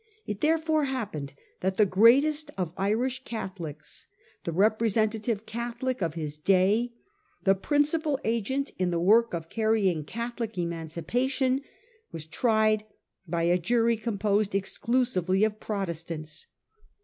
It therefore happened that the greatest of Irish Catholics, the representative Catholic of his day, the principal agent in the work of carrying Catholic Emancipation, was tried by a jury composed exclu sively of Protestants.